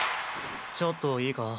ちょっといいか？